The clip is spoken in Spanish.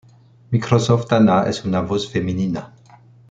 Microsoft Anna es una voz femenina.